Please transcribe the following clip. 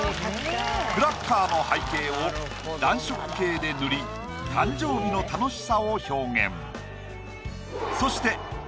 クラッカーの背景を暖色系で塗り誕生日の楽しさを表現。